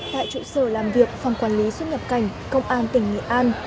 tại trụ sở làm việc phòng quản lý xuất nhập cảnh công an tỉnh nghệ an